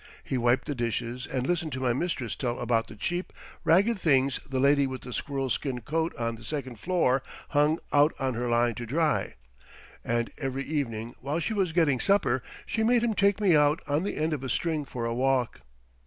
He wiped the dishes and listened to my mistress tell about the cheap, ragged things the lady with the squirrel skin coat on the second floor hung out on her line to dry. And every evening while she was getting supper she made him take me out on the end of a string for a walk.